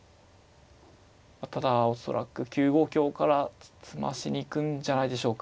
ただ恐らく９五香から詰ましに行くんじゃないでしょうか。